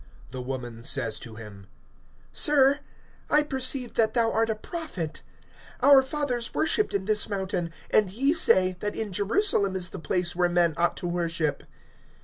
(19)The woman says to him: Sir, I perceive that thou art a prophet. (20)Our fathers worshiped in this mountain; and ye say, that in Jerusalem is the place where men ought to worship.